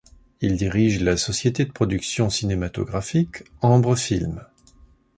Il dirige la société de production cinématographique Ambre Films.